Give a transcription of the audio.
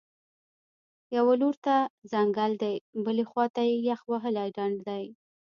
یوه لور ته ځنګل دی، بلې خوا ته یخ وهلی ډنډ دی